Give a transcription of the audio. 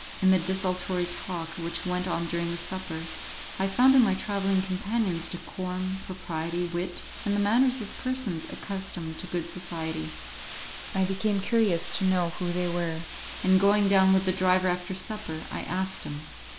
In the desultory talk which went on during the supper, I found in my travelling companions decorum, propriety, wit, and the manners of persons accustomed to good society. I became curious to know who they were, and going down with the driver after supper, I asked him.